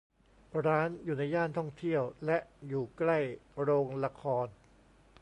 ร้านอยู่ในย่านท่องเที่ยวและอยู่ใกล้โรงละคร